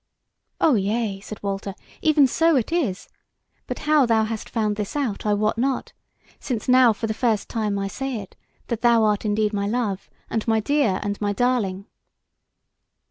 "O yea!" said Walter, "even so it is: but how thou hast found this out I wot not; since now for the first time I say it, that thou art indeed my love, and my dear and my darling."